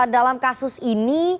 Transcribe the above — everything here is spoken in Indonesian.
dalam kasus ini